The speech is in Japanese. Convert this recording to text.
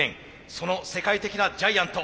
その世界的なジャイアント